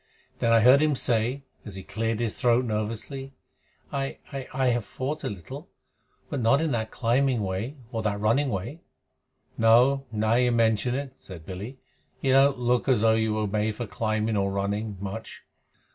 Then I heard him say, as he cleared his throat, nervously: "I I I have fought a little, but not in that climbing way or that running way." "No. Now you mention it," said Billy, "you don't look as though you were made for climbing or running much.